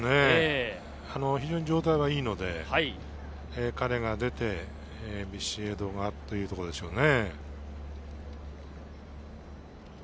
非常に状態はいいので、彼が出て、ビシエドがあってというところでしょうね。